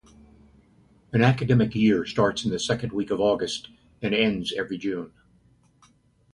An academic year starts in the second week of August and ends every June.